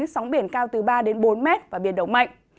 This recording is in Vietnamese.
sóng biển cao từ ba đến bốn mét và biển động mạnh